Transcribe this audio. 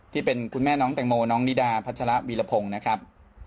ที่เป็นคุณแม่น้องแตงโมน้องนิดาพัชระวีรพงศ์นะครับ